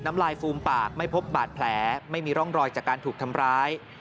น้ำลายฟูมปากไม่พบบาดแผลไม่มีร่องรอยจากการถูกทำร้าย